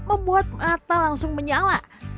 membuat mata langsung menyala